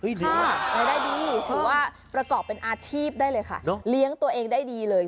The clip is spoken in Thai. รายได้ดีถือว่าประกอบเป็นอาชีพได้เลยค่ะเลี้ยงตัวเองได้ดีเลย